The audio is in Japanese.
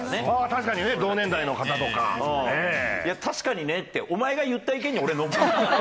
確かにね、同年代の方とかね。確かにねって、お前が言った意見に俺が乗っただけ。